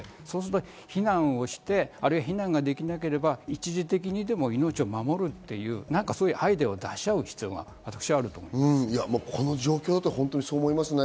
避難をして、あるいは避難ができなければ一時的にでも命を守るっていうなんかそういうアイデアを出し合う必要は私はあると思います。